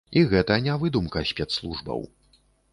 І гэта не выдумка спецслужбаў.